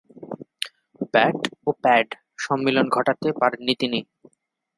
Bat ও pad সম্মিলন ঘটাতে পারেননি তিনি।